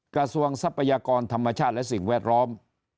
ทรัพยากรธรรมชาติและสิ่งแวดล้อม